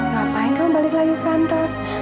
ngapain kamu balik lagi ke kantor